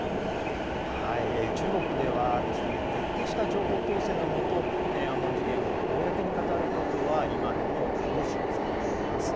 中国では、徹底した情報統制のもと、天安門事件を公に語ることは今でもタブー視されています。